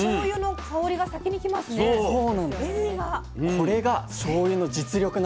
これがしょうゆの実力なんです。